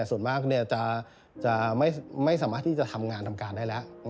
ส่วนมากจะไม่สามารถที่จะทำงานทำการได้แล้ว